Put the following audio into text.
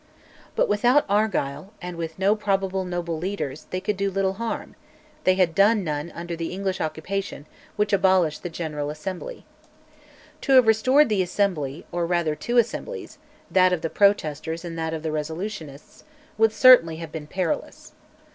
But without Argyll, and with no probable noble leaders, they could do little harm; they had done none under the English occupation, which abolished the General Assembly. To have restored the Assembly, or rather two Assemblies that of the Protesters and that of the Resolutionists, would certainly have been perilous.